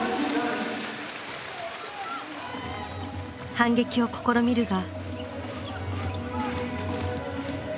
反撃を試みるが。